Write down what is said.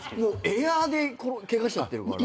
エアーでケガしちゃってるから。